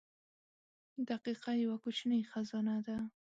• دقیقه یوه کوچنۍ خزانه ده.